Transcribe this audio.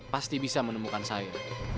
pasti bisa menemukan saya